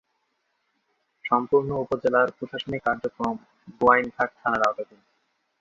সম্পূর্ণ উপজেলার প্রশাসনিক কার্যক্রম গোয়াইনঘাট থানার আওতাধীন।